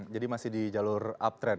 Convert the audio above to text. jadi masih di jalur uptrend